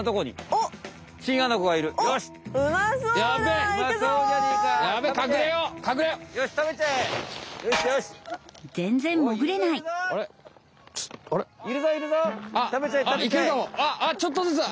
あっちょっとずつ。